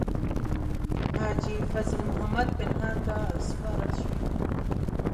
حاجي فضل محمد پنهان ته سپارل شوې.